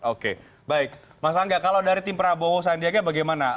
oke baik mas angga kalau dari tim prabowo sandiaga bagaimana